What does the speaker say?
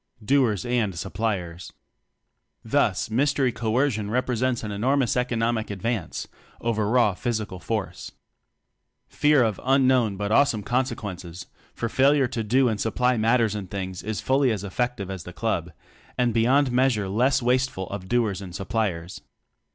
Doers and Suppliers. Thus mystery coercion represents an enormous economic advance over raw physical force. Fear of unknown but awesome consequences for failure to do and supply matters and things is fully as effective as the club and be TECHNOCRACY 9 yond measure less wasteful of Doers and Suppliers.